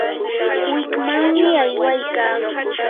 wikmanmi aywaykaa.